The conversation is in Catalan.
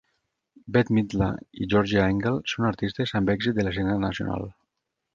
Bette Midler i Georgia Engel són artistes amb èxit de l'escena nacional.